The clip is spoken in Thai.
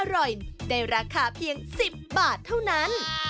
อร่อยได้ราคาเพียง๑๐บาทเท่านั้น